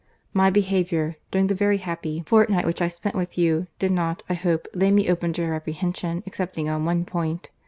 My behaviour, during the very happy fortnight which I spent with you, did not, I hope, lay me open to reprehension, excepting on one point.